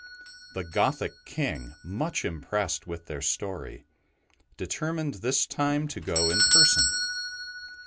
The Gothic King, much impressed with their story, determined this time to go in person.